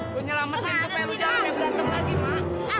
gue nyelamatin supaya lo jangan berantem lagi mak